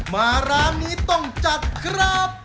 มาร้านนี้ต้องจัดครับ